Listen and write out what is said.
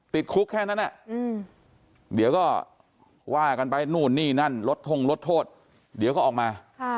ติดคุกแค่นั้นเดี๋ยวก็ว่ากันไปนู่นนี่นั่นลดทงลดโทษเดี๋ยวก็ออกมา